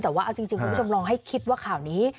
แต่ว่าเอาจริงคุณผู้ชมลองให้คิดว่าข่าวนี้